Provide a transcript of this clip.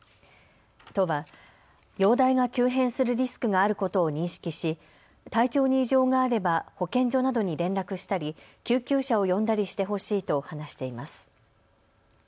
都は容体が急変するリスクがあることを認識し体調に異常があれば保健所などに連絡したり救急車を呼んだりしてほしいと話しています。